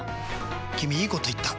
君いいこと言った！